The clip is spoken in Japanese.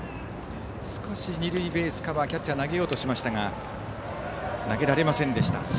少し二塁ベースカバーキャッチャー投げようとしていましたが投げられませんでした。